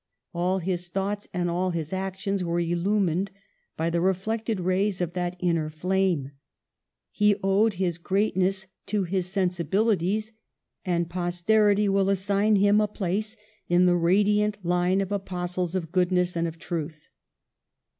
All his thoughts and all his actions were illumined by the reflected rays of that in ner flam^; he owed his greatness to his sensi bilities ; and posterity will assign him a place in the radiant line of apostles of goodness and of truth.